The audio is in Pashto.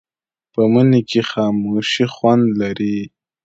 په مني کې خاموشي خوند لري